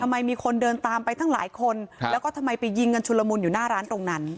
มีคนเดินตามไปทั้งหลายคนแล้วก็ทำไมไปยิงกันชุลมุนอยู่หน้าร้านตรงนั้น